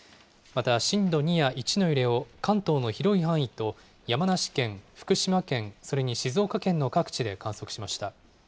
また、震度２や１の揺れを、関東の広い範囲と山梨県、福島県、それに静岡県の各地で観測しました。